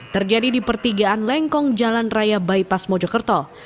terjadi di pertigaan lengkong jalan raya bypass mojokerto